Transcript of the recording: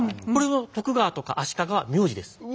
これは徳川とか足利は名字です。